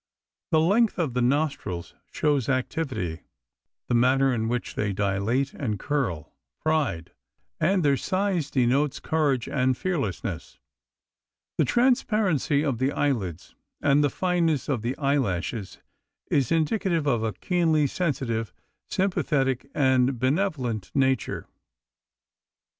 The length of the nostrils shows activity; the manner in which they dilate and curl, pride; and their size denotes courage and fearlessness. The transparency of the eyelids and the fineness of the eyelashes is indicative of a keenly sensitive, sympathetic, and benevolent nature.